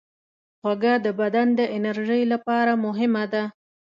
خوږه د بدن د انرژۍ لپاره مهمه ده.